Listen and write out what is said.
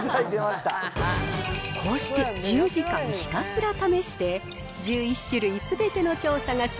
こうして１０時間ひたすら試して、１１種類すべての調査が終